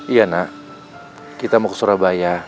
iya nak kita mau ke surabaya